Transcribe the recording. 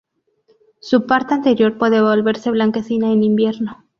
Su parte anterior puede volverse blanquecina en invierno.